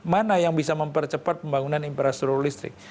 mana yang bisa mempercepat pembangunan infrastruktur listrik